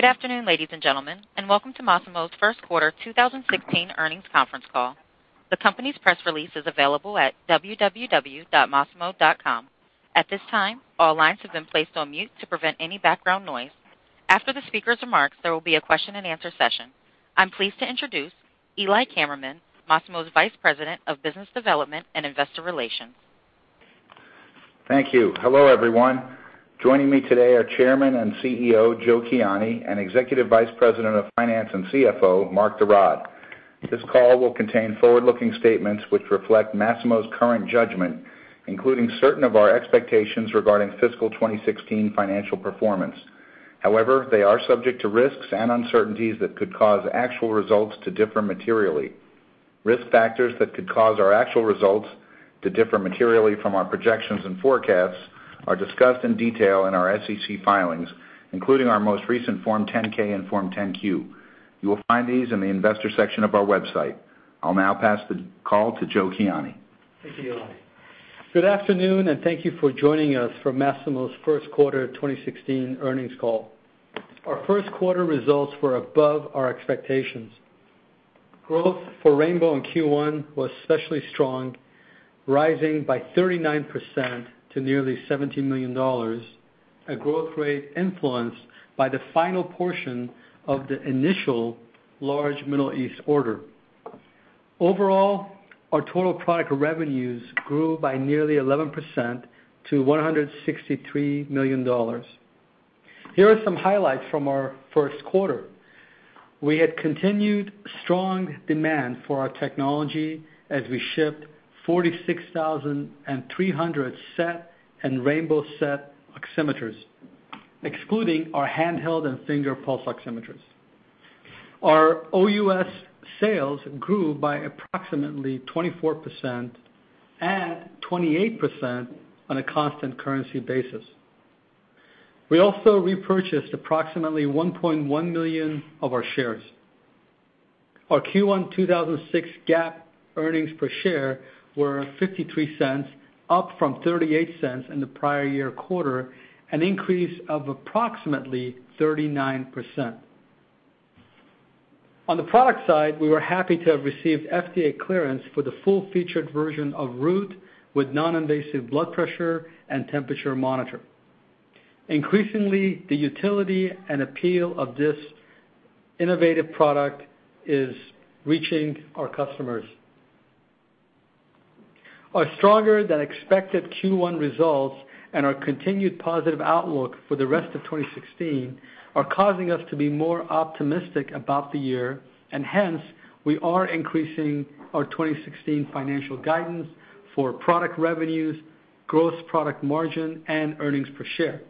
Good afternoon, ladies and gentlemen, and welcome to Masimo's first quarter 2016 earnings conference call. The company's press release is available at www.masimo.com. At this time, all lines have been placed on mute to prevent any background noise. After the speaker's remarks, there will be a question and answer session. I'm pleased to introduce Eli Kammerman, Masimo's Vice President of Business Development and Investor Relations. Thank you. Hello, everyone. Joining me today are Chairman and CEO, Joe Kiani, and Executive Vice President of Finance and CFO, Mark de Raad. This call will contain forward-looking statements which reflect Masimo's current judgment, including certain of our expectations regarding fiscal 2016 financial performance. However, they are subject to risks and uncertainties that could cause actual results to differ materially. Risk factors that could cause our actual results to differ materially from our projections and forecasts, are discussed in detail in our SEC filings, including our most recent Form 10-K and Form 10-Q. You will find these in the investors section of our website. I'll now pass the call to Joe Kiani. Thank you, Eli. Good afternoon, and thank you for joining us for Masimo's first quarter 2016 earnings call. Our first quarter results were above our expectations. Growth for rainbow in Q1 was especially strong, rising by 39% to nearly $17 million. A growth rate influenced by the final portion of the initial large Middle East order. Overall, our total product revenues grew by nearly 11% to $163 million. Here are some highlights from our first quarter. We had continued strong demand for our technology as we shipped 46,300 SET and rainbow SET oximeters, excluding our handheld and finger pulse oximeters. Our OUS sales grew by approximately 24% and 28% on a constant currency basis. We also repurchased approximately 1.1 million of our shares. Our Q1 2016 GAAP earnings per share were $0.53, up from $0.38 in the prior year quarter, an increase of approximately 39%. On the product side, we were happy to have received FDA clearance for the full-featured version of Root with non-invasive blood pressure and temperature monitor. Increasingly, the utility and appeal of this innovative product is reaching our customers. Our stronger than expected Q1 results and our continued positive outlook for the rest of 2016 are causing us to be more optimistic about the year, and hence, we are increasing our 2016 financial guidance for product revenues, gross product margin, and earnings per share.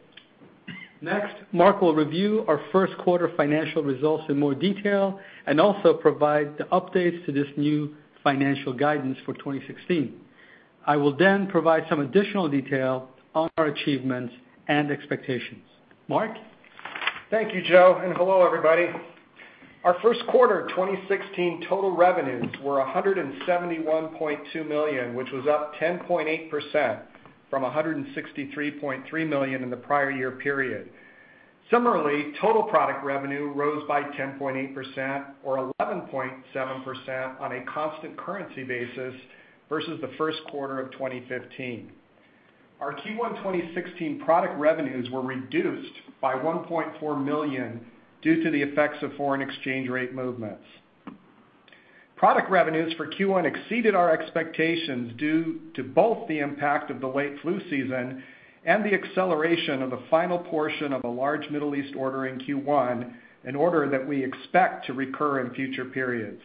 Next, Mark will review our first quarter financial results in more detail and also provide the updates to this new financial guidance for 2016. I will then provide some additional detail on our achievements and expectations. Mark? Thank you, Joe. Hello everybody. Our first quarter 2016 total revenues were $171.2 million, which was up 10.8% from $163.3 million in the prior year period. Similarly, total product revenue rose by 10.8%, or 11.7% on a constant currency basis versus the first quarter of 2015. Our Q1 2016 product revenues were reduced by $1.4 million due to the effects of foreign exchange rate movements. Product revenues for Q1 exceeded our expectations due to both the impact of the late flu season and the acceleration of the final portion of a large Middle East order in Q1, an order that we expect to recur in future periods.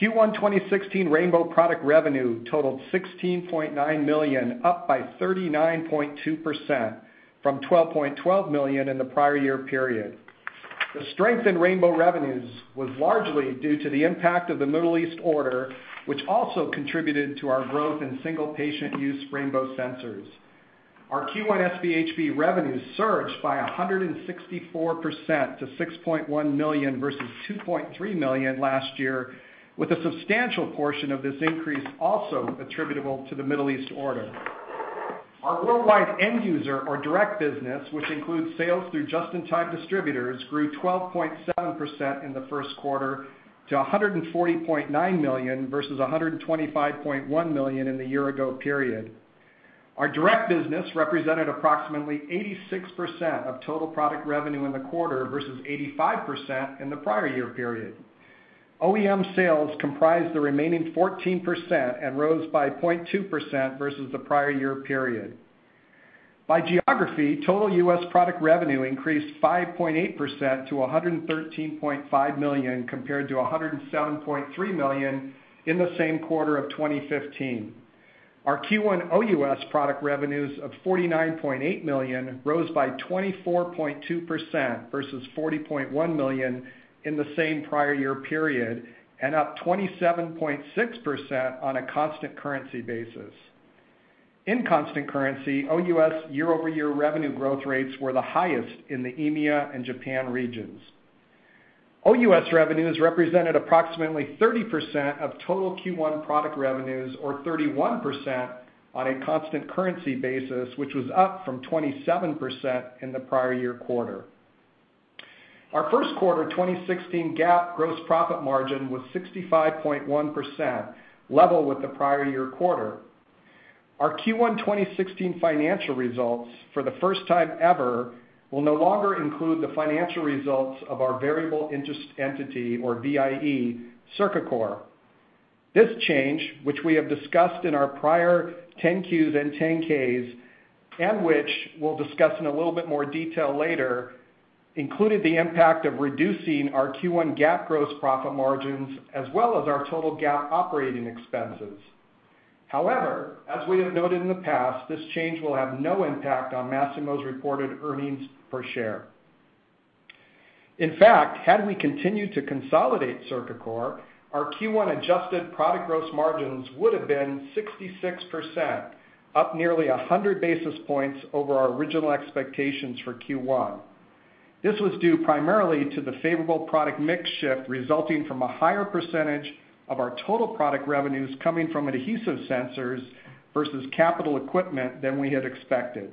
Q1 2016 rainbow product revenue totaled $16.9 million, up by 39.2% from $12.12 million in the prior year period. The strength in rainbow revenues was largely due to the impact of the Middle East order, which also contributed to our growth in single patient use rainbow sensors. Our Q1 SpHb revenues surged by 164% to $6.1 million versus $2.3 million last year, with a substantial portion of this increase also attributable to the Middle East order. Our worldwide end user or direct business, which includes sales through just-in-time distributors, grew 12.7% in the first quarter to $140.9 million versus $125.1 million in the year-ago period. Our direct business represented approximately 86% of total product revenue in the quarter versus 85% in the prior year period. OEM sales comprised the remaining 14% and rose by 0.2% versus the prior year period. By geography, total U.S. product revenue increased 5.8% to $113.5 million compared to $107.3 million in the same quarter of 2015. Our Q1 OUS product revenues of $49.8 million rose by 24.2% versus $40.1 million in the same prior year period and up 27.6% on a constant currency basis. In constant currency, OUS year-over-year revenue growth rates were the highest in the EMEA and Japan regions. OUS revenues represented approximately 30% of total Q1 product revenues or 31% on a constant currency basis, which was up from 27% in the prior year quarter. Our first quarter 2016 GAAP gross profit margin was 65.1%, level with the prior year quarter. Our Q1 2016 financial results for the first time ever will no longer include the financial results of our variable interest entity or VIE, Cercacor. This change, which we have discussed in our prior 10-Qs and 10-Ks, and which we'll discuss in a little bit more detail later, included the impact of reducing our Q1 GAAP gross profit margins as well as our total GAAP operating expenses. However, as we have noted in the past, this change will have no impact on Masimo's reported earnings per share. In fact, had we continued to consolidate Cercacor, our Q1 adjusted product gross margins would have been 66%, up nearly 100 basis points over our original expectations for Q1. This was due primarily to the favorable product mix shift resulting from a higher percentage of our total product revenues coming from adhesive sensors versus capital equipment than we had expected.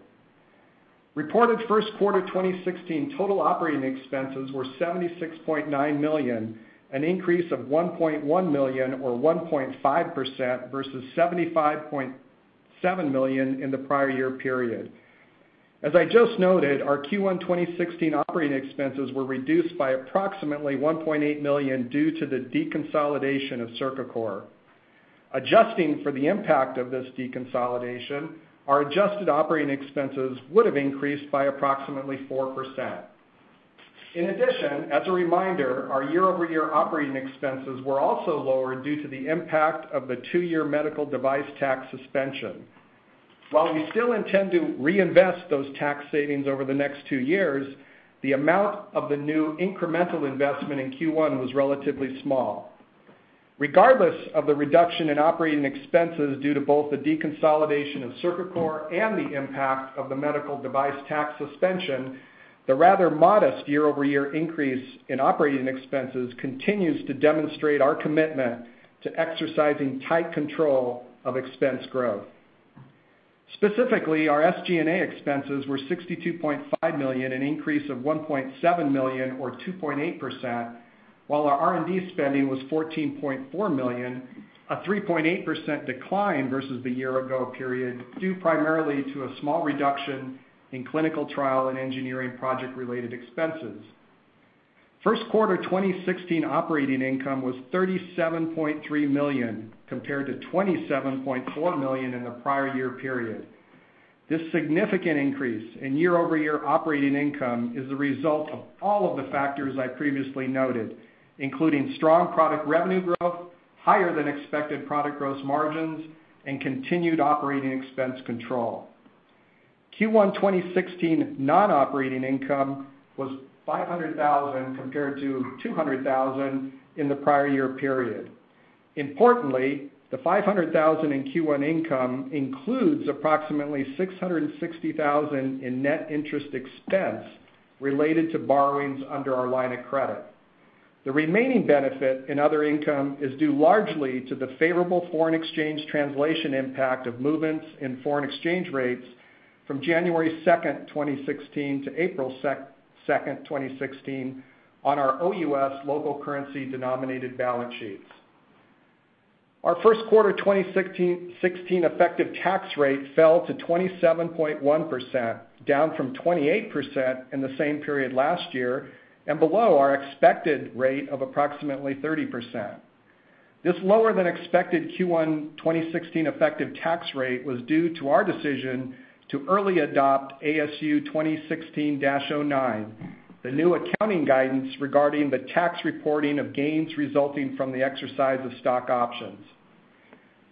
Reported first quarter 2016 total operating expenses were $76.9 million, an increase of $1.1 million or 1.5% versus $75.7 million in the prior year period. As I just noted, our Q1 2016 operating expenses were reduced by approximately $1.8 million due to the deconsolidation of Cercacor. Adjusting for the impact of this deconsolidation, our adjusted operating expenses would have increased by approximately 4%. In addition, as a reminder, our year-over-year operating expenses were also lower due to the impact of the two-year medical device tax suspension. While we still intend to reinvest those tax savings over the next two years, the amount of the new incremental investment in Q1 was relatively small. Regardless of the reduction in operating expenses due to both the deconsolidation of Cercacor and the impact of the medical device tax suspension, the rather modest year-over-year increase in operating expenses continues to demonstrate our commitment to exercising tight control of expense growth. Specifically, our SG&A expenses were $62.5 million, an increase of $1.7 million or 2.8%, while our R&D spending was $14.4 million, a 3.8% decline versus the year ago period due primarily to a small reduction in clinical trial and engineering project related expenses. First quarter 2016 operating income was $37.3 million compared to $27.4 million in the prior year period. This significant increase in year-over-year operating income is the result of all of the factors I previously noted, including strong product revenue growth, higher than expected product gross margins, and continued operating expense control. Q1 2016 non-operating income was $500,000 compared to $200,000 in the prior year period. Importantly, the $500,000 in Q1 income includes approximately $660,000 in net interest expense related to borrowings under our line of credit. The remaining benefit in other income is due largely to the favorable foreign exchange translation impact of movements in foreign exchange rates from January 2nd, 2016 to April 2nd, 2016 on our OUS local currency denominated balance sheets. Our first quarter 2016 effective tax rate fell to 27.1%, down from 28% in the same period last year and below our expected rate of approximately 30%. This lower than expected Q1 2016 effective tax rate was due to our decision to early adopt ASU 2016-09, the new accounting guidance regarding the tax reporting of gains resulting from the exercise of stock options.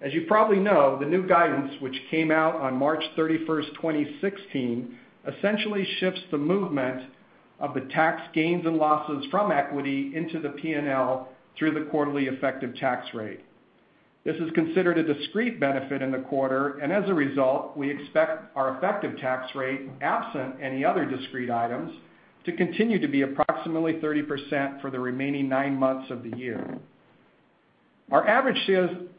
As you probably know, the new guidance which came out on March 31st, 2016 essentially shifts the movement of the tax gains and losses from equity into the P&L through the quarterly effective tax rate. This is considered a discrete benefit in the quarter and as a result we expect our effective tax rate absent any other discrete items to continue to be approximately 30% for the remaining nine months of the year. Our average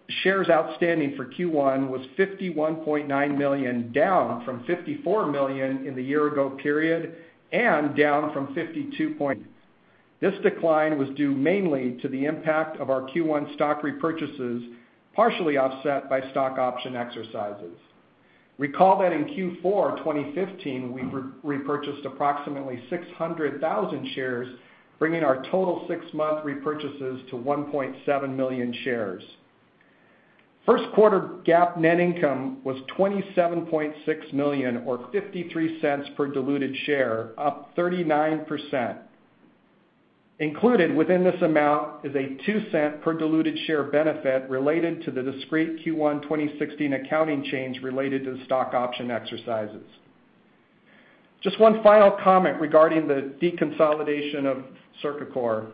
shares outstanding for Q1 was 51.9 million down from 54 million in the year ago period and down from 52. This decline was due mainly to the impact of our Q1 stock repurchases partially offset by stock option exercises. Recall that in Q4 2015, we repurchased approximately 600,000 shares bringing our total six-month repurchases to 1.7 million shares. First quarter GAAP net income was $27.6 million or $0.53 per diluted share up 39%. Included within this amount is a $0.02 per diluted share benefit related to the discrete Q1 2016 accounting change related to stock option exercises. Just one final comment regarding the deconsolidation of Cercacor.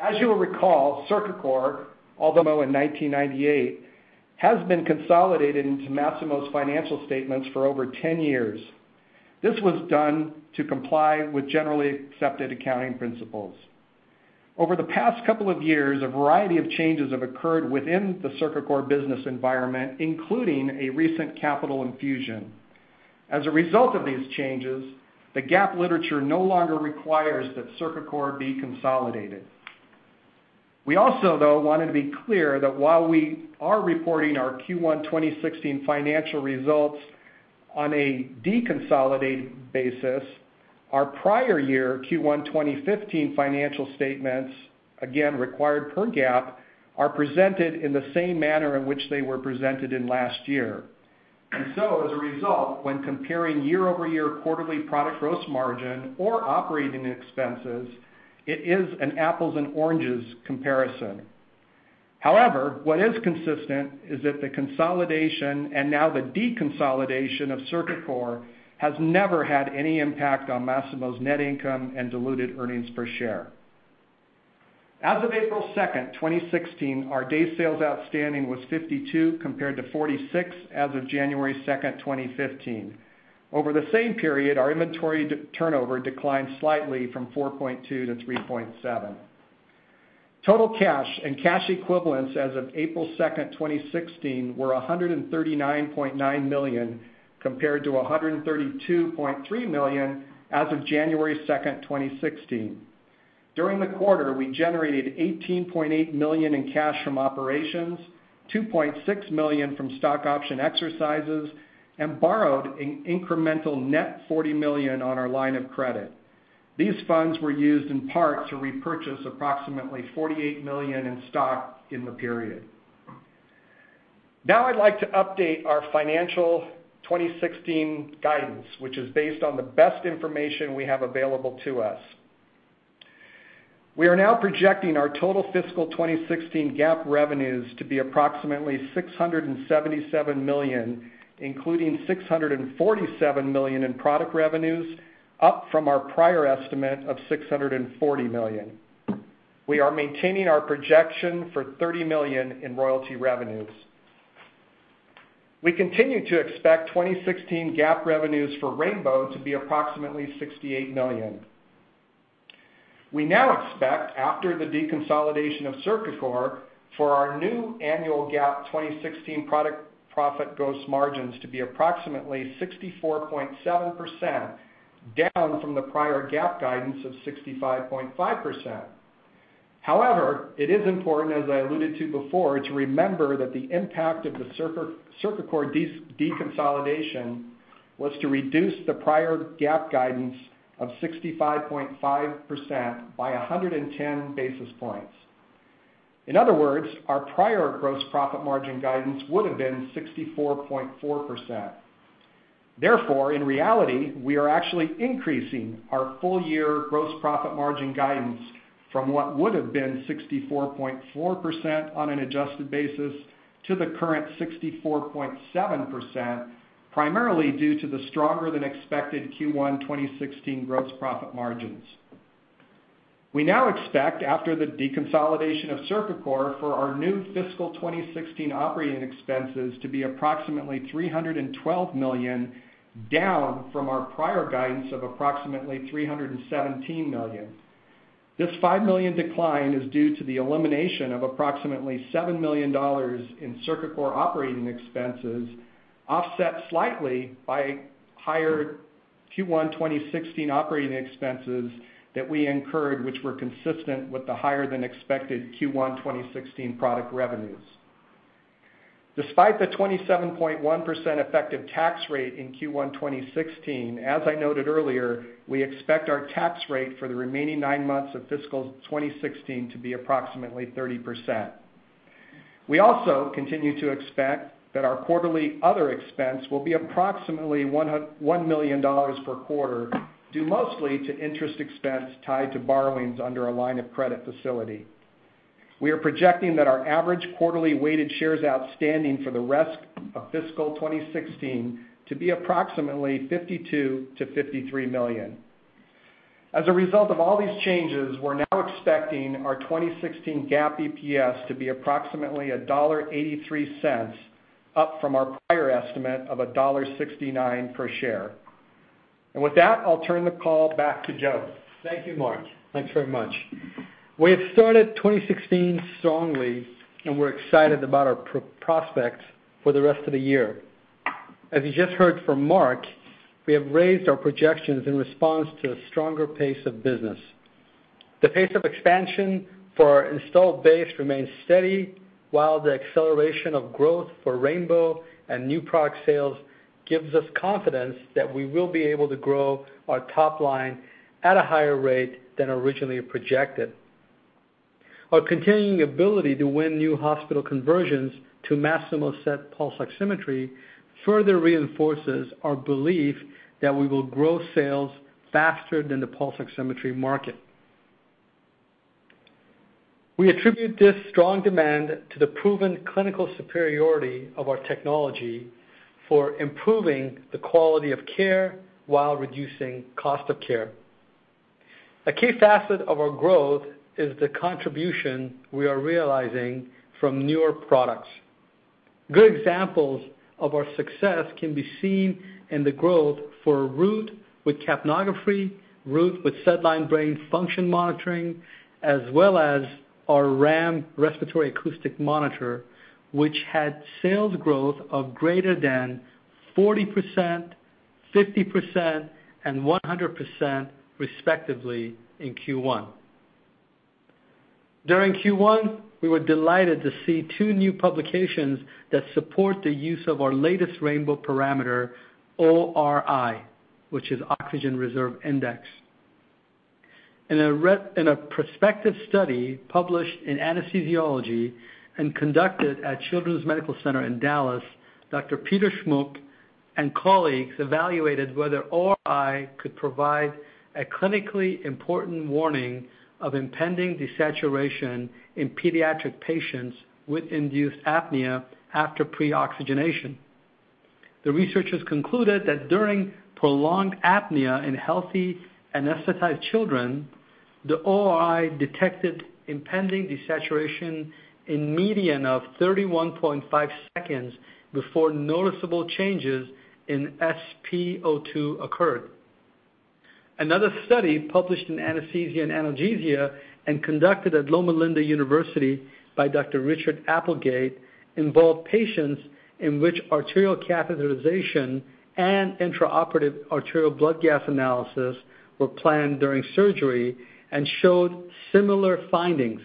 As you will recall, Cercacor, although in 1998, has been consolidated into Masimo's financial statements for over 10 years. This was done to comply with generally accepted accounting principles. Over the past couple of years, a variety of changes have occurred within the Cercacor business environment, including a recent capital infusion. As a result of these changes, the GAAP literature no longer requires that Cercacor be consolidated. We also, though, wanted to be clear that while we are reporting our Q1 2016 financial results on a deconsolidated basis, our prior year Q1 2015 financial statements, again, required per GAAP, are presented in the same manner in which they were presented in last year. As a result, when comparing year-over-year quarterly product gross margin or operating expenses, it is an apples and oranges comparison. What is consistent is that the consolidation and now the deconsolidation of Cercacor has never had any impact on Masimo's net income and diluted earnings per share. As of April 2nd, 2016, our Days Sales Outstanding was 52 compared to 46 as of January 2nd, 2015. Over the same period, our inventory turnover declined slightly from 4.2 to 3.7. Total cash and cash equivalents as of April 2nd, 2016, were $139.9 million, compared to $132.3 million as of January 2nd, 2016. During the quarter, we generated $18.8 million in cash from operations, $2.6 million from stock option exercises, and borrowed an incremental net $40 million on our line of credit. These funds were used in part to repurchase approximately $48 million in stock in the period. I'd like to update our financial 2016 guidance, which is based on the best information we have available to us. We are now projecting our total fiscal 2016 GAAP revenues to be approximately $677 million, including $647 million in product revenues, up from our prior estimate of $640 million. We are maintaining our projection for $30 million in royalty revenues. We continue to expect 2016 GAAP revenues for rainbow to be approximately $68 million. We now expect, after the deconsolidation of Cercacor, for our new annual GAAP 2016 product profit gross margins to be approximately 64.7%, down from the prior GAAP guidance of 65.5%. It is important, as I alluded to before, to remember that the impact of the Cercacor deconsolidation was to reduce the prior GAAP guidance of 65.5% by 110 basis points. In other words, our prior gross profit margin guidance would have been 64.4%. In reality, we are actually increasing our full-year gross profit margin guidance from what would have been 64.4% on an adjusted basis to the current 64.7%, primarily due to the stronger than expected Q1 2016 gross profit margins. We now expect, after the deconsolidation of Cercacor, for our new fiscal 2016 operating expenses to be approximately $312 million, down from our prior guidance of approximately $317 million. This $5 million decline is due to the elimination of approximately $7 million in Cercacor operating expenses, offset slightly by higher Q1 2016 operating expenses that we incurred, which were consistent with the higher than expected Q1 2016 product revenues. Despite the 27.1% effective tax rate in Q1 2016, as I noted earlier, we expect our tax rate for the remaining nine months of fiscal 2016 to be approximately 30%. We also continue to expect that our quarterly other expense will be approximately $1 million per quarter, due mostly to interest expense tied to borrowings under a line of credit facility. We are projecting that our average quarterly weighted shares outstanding for the rest of fiscal 2016 to be approximately 52 to 53 million. As a result of all these changes, we're now expecting our 2016 GAAP EPS to be approximately $1.83, up from our prior estimate of $1.69 per share. With that, I'll turn the call back to Joe. Thank you, Mark. Thanks very much. We have started 2016 strongly, and we're excited about our prospects for the rest of the year. As you just heard from Mark, we have raised our projections in response to a stronger pace of business. The pace of expansion for our installed base remains steady, while the acceleration of growth for rainbow and new product sales gives us confidence that we will be able to grow our top line at a higher rate than originally projected. Our continuing ability to win new hospital conversions to Masimo SET pulse oximetry further reinforces our belief that we will grow sales faster than the pulse oximetry market. We attribute this strong demand to the proven clinical superiority of our technology for improving the quality of care while reducing cost of care. A key facet of our growth is the contribution we are realizing from newer products. Good examples of our success can be seen in the growth for Root with capnography, Root with SedLine brain function monitoring, as well as our RAM, respiratory acoustic monitor, which had sales growth of greater than 40%, 50% and 100% respectively in Q1. During Q1, we were delighted to see two new publications that support the use of our latest rainbow parameter, ORi, which is Oxygen Reserve Index. In a prospective study published in Anesthesiology and conducted at Children's Medical Center Dallas, Dr. Peter Szmuk and colleagues evaluated whether ORi could provide a clinically important warning of impending desaturation in pediatric patients with induced apnea after pre-oxygenation. The researchers concluded that during prolonged apnea in healthy anesthetized children, the ORi detected impending desaturation in median of 31.5 seconds before noticeable changes in SpO2 occurred. Another study published in Anesthesia & Analgesia and conducted at Loma Linda University by Dr. Richard Applegate involved patients in which arterial catheterization and intraoperative arterial blood gas analysis were planned during surgery and showed similar findings.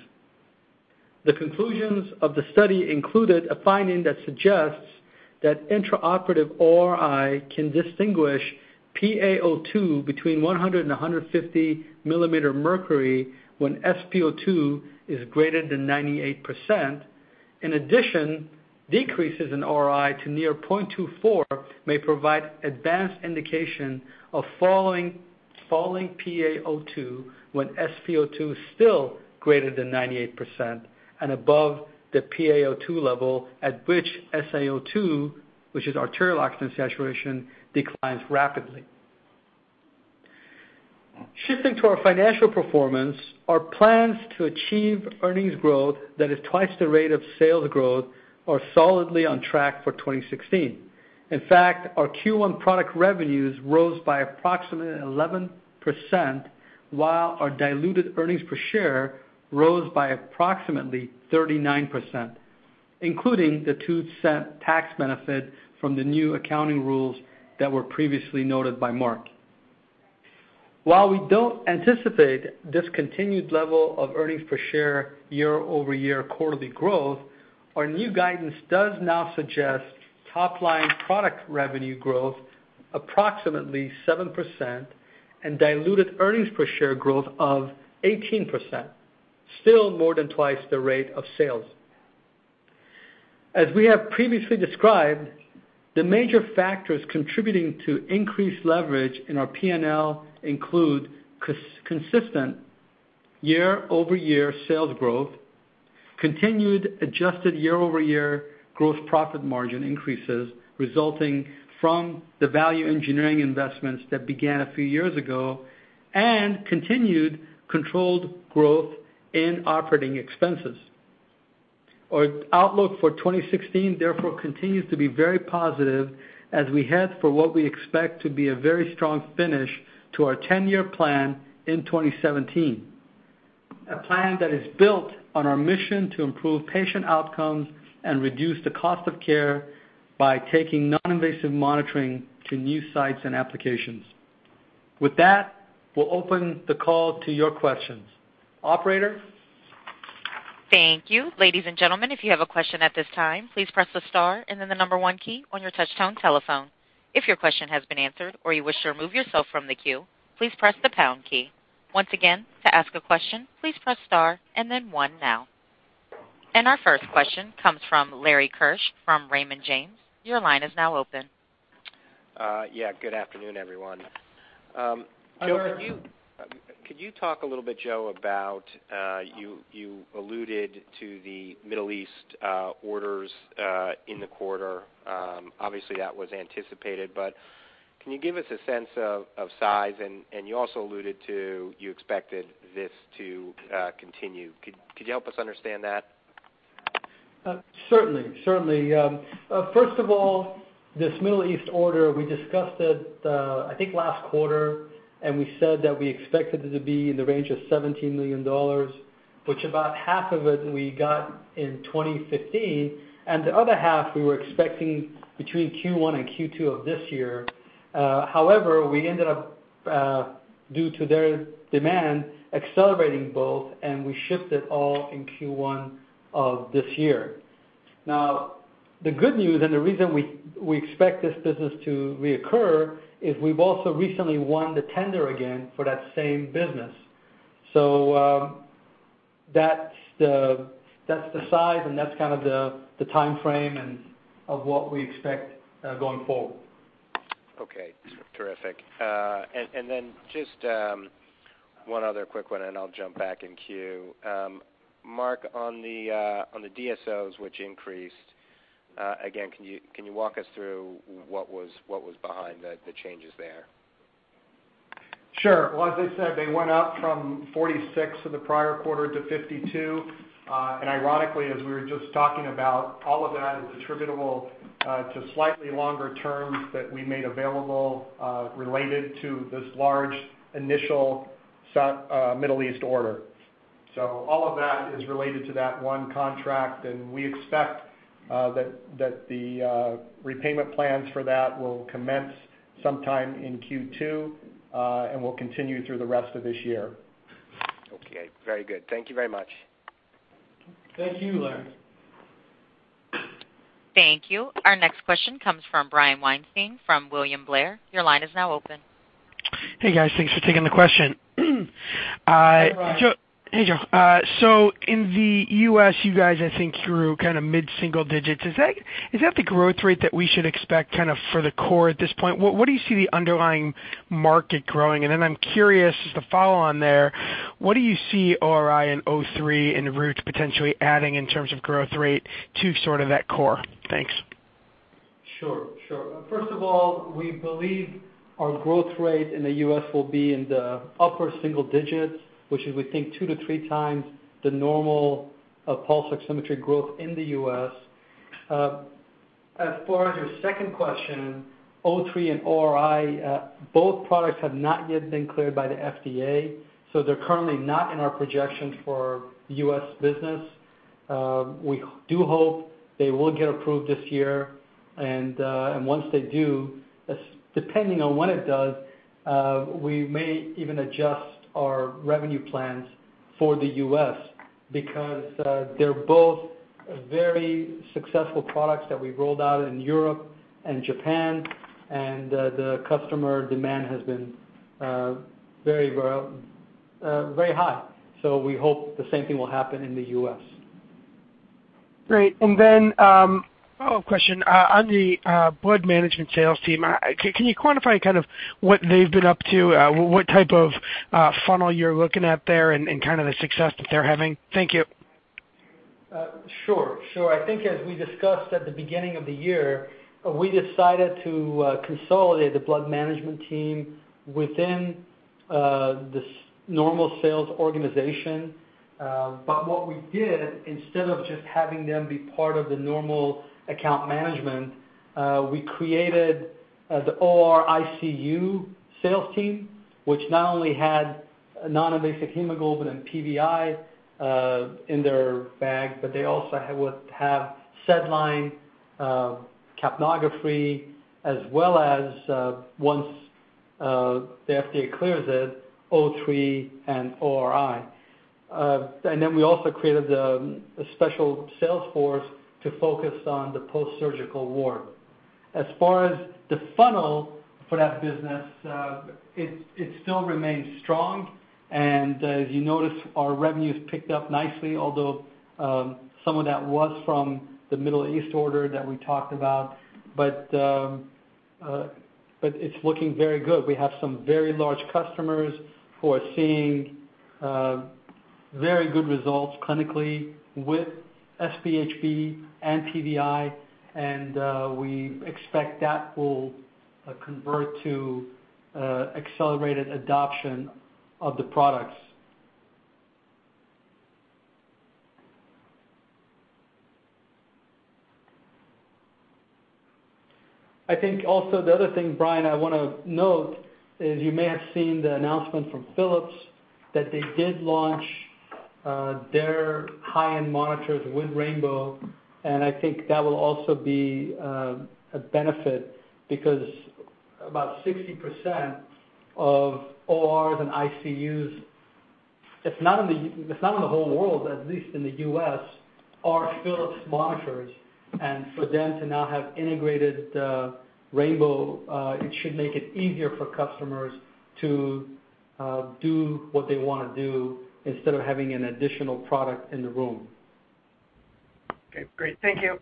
The conclusions of the study included a finding that suggests that intraoperative ORi can distinguish PaO2 between 100 and 150 millimeter mercury when SpO2 is greater than 98%. In addition, decreases in ORi to near 0.24 may provide advanced indication of falling PaO2 when SpO2 is still greater than 98% and above the PaO2 level, at which SaO2, which is arterial oxygen saturation, declines rapidly. Shifting to our financial performance, our plans to achieve earnings growth that is twice the rate of sales growth are solidly on track for 2016. In fact, our Q1 product revenues rose by approximately 11%, while our diluted earnings per share rose by approximately 39%, including the $0.02 tax benefit from the new accounting rules that were previously noted by Mark. While we don't anticipate this continued level of earnings per share year-over-year quarterly growth, our new guidance does now suggest top-line product revenue growth approximately 7% and diluted earnings per share growth of 18%, still more than twice the rate of sales. As we have previously described, the major factors contributing to increased leverage in our P&L include consistent year-over-year sales growth, continued adjusted year-over-year growth profit margin increases resulting from the value engineering investments that began a few years ago, and continued controlled growth in operating expenses. Our outlook for 2016 continues to be very positive as we head for what we expect to be a very strong finish to our 10-year plan in 2017. A plan that is built on our mission to improve patient outcomes and reduce the cost of care by taking non-invasive monitoring to new sites and applications. We'll open the call to your questions. Operator? Thank you. Ladies and gentlemen, if you have a question at this time, please press the star and then the number 1 key on your touchtone telephone. If your question has been answered or you wish to remove yourself from the queue, please press the pound key. Once again, to ask a question, please press star and then one now. Our first question comes from Larry Keusch from Raymond James. Your line is now open. Yeah. Good afternoon, everyone. Hi, Larry. Could you talk a little bit, Joe, about you alluded to the Middle East orders in the quarter? Obviously, that was anticipated, but can you give us a sense of size? You also alluded to you expected this to continue. Could you help us understand that? Certainly. First of all, this Middle East order, we discussed it, I think last quarter, and we said that we expected it to be in the range of $17 million, which about half of it we got in 2015, and the other half we were expecting between Q1 and Q2 of this year. We ended up, due to their demand accelerating both, and we shipped it all in Q1 of this year. The good news and the reason we expect this business to reoccur is we've also recently won the tender again for that same business. That's the size and that's kind of the time frame and of what we expect going forward. Okay, terrific. Just one other quick one and I'll jump back in queue. Mark, on the DSOs, which increased, again, can you walk us through what was behind the changes there? Sure. Well, as I said, they went up from 46 in the prior quarter to 52. Ironically, as we were just talking about, all of that is attributable to slightly longer terms that we made available related to this large initial Middle East order. All of that is related to that one contract, and we expect that the repayment plans for that will commence sometime in Q2, and will continue through the rest of this year. Okay, very good. Thank you very much. Thank you, Larry. Thank you. Our next question comes from Brian Weinstein from William Blair. Your line is now open. Hey, guys. Thanks for taking the question. Hey, Brian. Hey, Joe. In the U.S., you guys, I think, grew mid-single digits. Is that the growth rate that we should expect for the core at this point? What do you see the underlying market growing? Then I'm curious, as the follow-on there, what do you see ORi and O3 and Root potentially adding in terms of growth rate to that core? Thanks. Sure. First of all, we believe our growth rate in the U.S. will be in the upper single digits, which is, we think, two to three times the normal pulse oximetry growth in the U.S. As far as your second question, O3 and ORi, both products have not yet been cleared by the FDA, they're currently not in our projections for U.S. business. We do hope they will get approved this year. Once they do, depending on when it does, we may even adjust our revenue plans for the U.S. because they're both very successful products that we've rolled out in Europe and Japan, the customer demand has been very high. We hope the same thing will happen in the U.S. Great. Then a follow-up question. On the blood management sales team, can you quantify what they've been up to, what type of funnel you're looking at there, and the success that they're having? Thank you. Sure. I think as we discussed at the beginning of the year, we decided to consolidate the blood management team within this normal sales organization. What we did, instead of just having them be part of the normal account management, we created the OR ICU sales team, which not only had non-invasive hemoglobin and PVi in their bag, but they also would have SedLine, capnography, as well as, once the FDA clears it, O3 and ORi. Then we also created a special sales force to focus on the post-surgical ward. As far as the funnel for that business, it still remains strong, and as you notice, our revenues picked up nicely, although some of that was from the Middle East order that we talked about. It's looking very good. We have some very large customers who are seeing very good results clinically with SpHb and PVi, and we expect that will convert to accelerated adoption of the products. I think also the other thing, Brian, I want to note is you may have seen the announcement from Philips that they did launch their high-end monitors with rainbow, and I think that will also be a benefit because about 60% of ORs and ICUs, if not in the whole world, at least in the U.S., are Philips monitors. For them to now have integrated rainbow, it should make it easier for customers to do what they want to do instead of having an additional product in the room. Okay, great. Thank you.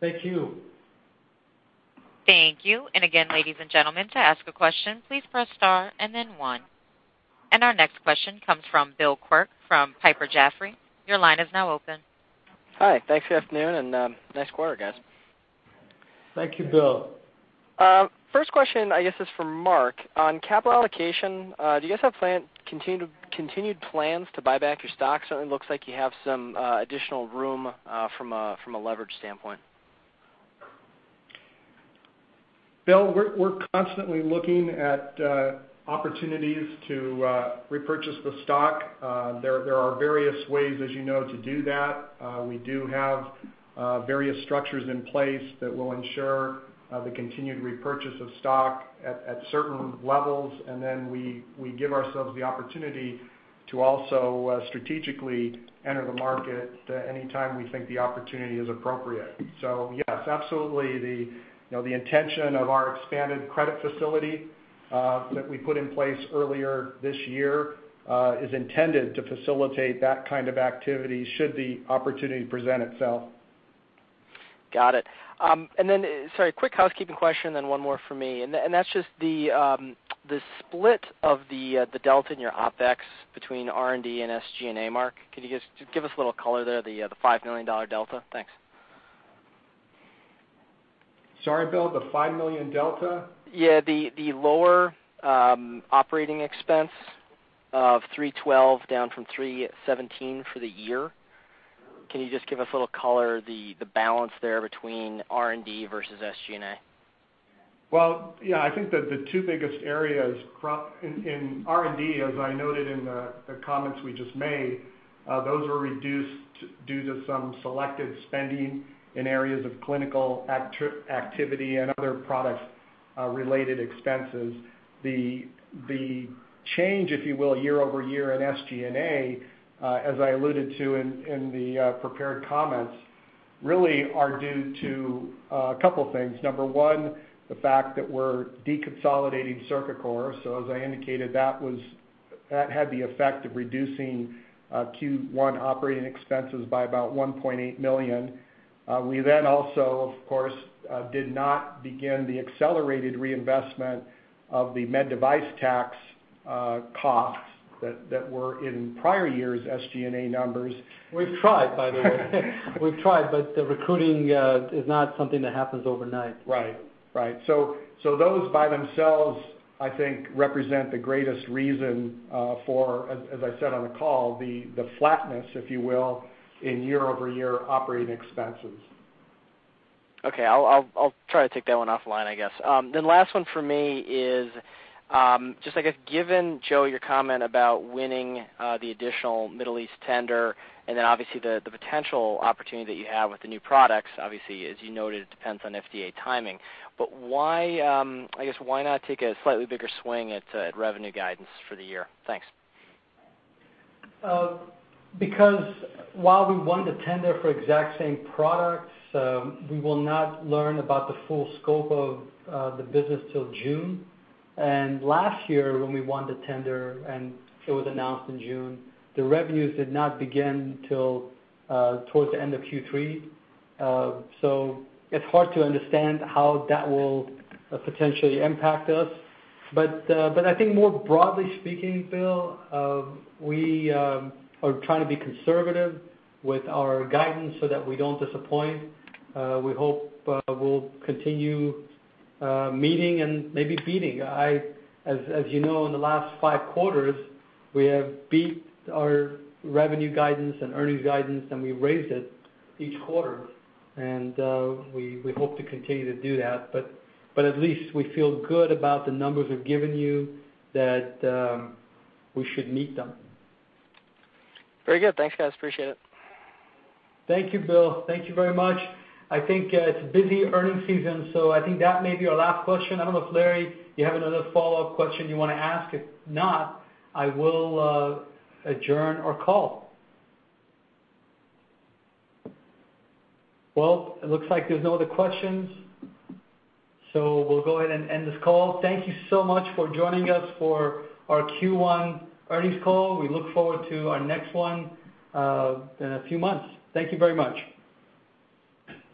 Thank you. Thank you. Again, ladies and gentlemen, to ask a question, please press star and then one. Our next question comes from Bill Quirk from Piper Jaffray. Your line is now open. Hi, thanks. Good afternoon, nice quarter, guys. Thank you, Bill. First question, I guess, is for Mark. On capital allocation, do you guys have continued plans to buy back your stocks? Certainly looks like you have some additional room from a leverage standpoint. Bill, we're constantly looking at opportunities to repurchase the stock. There are various ways, as you know, to do that. We do have various structures in place that will ensure the continued repurchase of stock at certain levels, then we give ourselves the opportunity to also strategically enter the market anytime we think the opportunity is appropriate. Yes, absolutely. The intention of our expanded credit facility that we put in place earlier this year is intended to facilitate that kind of activity should the opportunity present itself. Got it. Then, sorry, quick housekeeping question, then one more from me, and that's just the split of the delta in your OpEx between R&D and SG&A, Mark. Could you just give us a little color there, the $5 million delta? Thanks. Sorry, Bill, the $5 million delta? Yeah, the lower operating expense of $312 down from $317 for the year. Can you just give us a little color, the balance there between R&D versus SG&A? Yeah, I think that the two biggest areas in R&D, as I noted in the comments we just made, those were reduced due to some selective spending in areas of clinical activity and other product-related expenses. The change, if you will, year-over-year in SG&A, as I alluded to in the prepared comments, really are due to a couple things. Number one, the fact that we're deconsolidating Cercacor. As I indicated, that had the effect of reducing Q1 operating expenses by about $1.8 million. We then also, of course, did not begin the accelerated reinvestment of the medical device tax costs that were in prior years' SG&A numbers. We've tried, by the way. We've tried, the recruiting is not something that happens overnight. Right. Those by themselves, I think, represent the greatest reason for, as I said on the call, the flatness, if you will, in year-over-year operating expenses. Okay. I'll try to take that one offline, I guess. Last one for me is just I guess given, Joe, your comment about winning the additional Middle East tender and then obviously the potential opportunity that you have with the new products, obviously, as you noted, it depends on FDA timing. I guess why not take a slightly bigger swing at revenue guidance for the year? Thanks. Because while we won the tender for exact same products, we will not learn about the full scope of the business till June. Last year when we won the tender and it was announced in June, the revenues did not begin till towards the end of Q3. It's hard to understand how that will potentially impact us. I think more broadly speaking, Bill, we are trying to be conservative with our guidance so that we don't disappoint. We hope we'll continue meeting and maybe beating. As you know, in the last five quarters, we have beat our revenue guidance and earnings guidance, and we've raised it each quarter, and we hope to continue to do that. At least we feel good about the numbers we've given you, that we should meet them. Very good. Thanks, guys. Appreciate it. Thank you, Bill. Thank you very much. I think it's a busy earnings season, so I think that may be our last question. I don't know if, Larry, you have another follow-up question you want to ask. If not, I will adjourn our call. It looks like there's no other questions, so we'll go ahead and end this call. Thank you so much for joining us for our Q1 earnings call. We look forward to our next one in a few months. Thank you very much.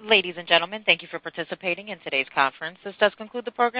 Ladies and gentlemen, thank you for participating in today's conference. This does conclude the program.